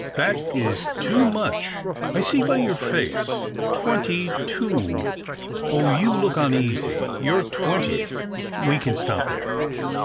" That is too much, I see by your face. Twenty two — oh ! you look uneasy. You're twenty — we can stop there."